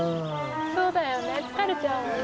そうだよね疲れちゃうよね。